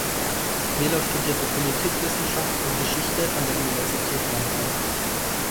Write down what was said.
Mehler studierte Politikwissenschaft und Geschichte an der Universität Mannheim.